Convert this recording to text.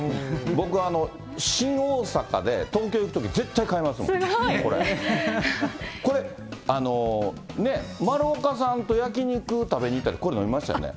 僕、新大阪で東京行くとき絶対買いますもん。これ、ね、丸岡さんと焼き肉食べに行ったとき、これ、飲みましたよね。